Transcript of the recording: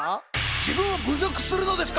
自分を侮辱するのですか！